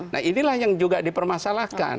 nah inilah yang juga dipermasalahkan